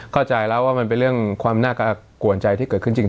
เข้าใจแล้วว่ามันเป็นเรื่องความน่ากวนใจที่เกิดขึ้นจริง